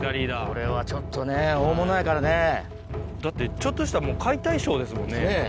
これはちょっとね、大物やかだって、ちょっとした解体ショーですもんね。